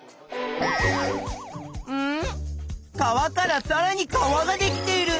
川からさらに川ができている！